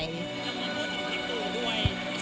ก็ยังงงว่ากับพี่ปูด้วย